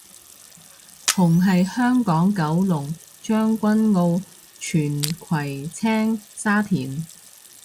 紅係香港九龍將軍澳荃葵青沙田